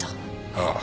ああ。